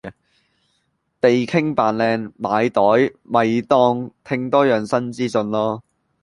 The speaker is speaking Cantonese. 地傾扮靚買袋咪當聽多樣新資訊囉